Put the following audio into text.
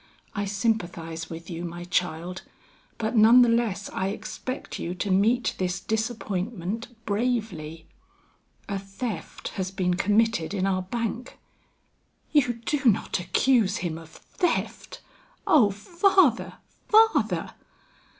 I sympathize with you, my child, but none the less I expect you to meet this disappointment bravely. A theft has been committed in our bank " "You do not accuse him of theft! Oh father, father!"